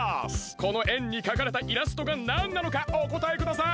このえんにかかれたイラストがなんなのかおこたえください！